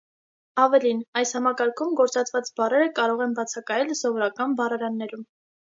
Ավելին՝ այս համակարգում գործածված բառերը կարող են բացակայել սովորական բառարաններում։